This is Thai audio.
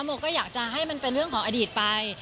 โมก็อยากจะให้มันเป็นเรื่องของอดีตไป